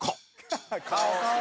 「顔顔」